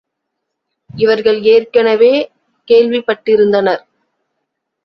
இவர்கள் ஏற்கனவே கேள்விப்பட்டிருந்தனர்.